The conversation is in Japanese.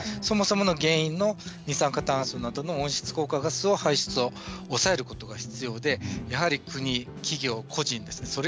そもそもの原因の二酸化炭素などの温室効果ガスの排出を抑えることが必要でやはり国、企業、個人ですね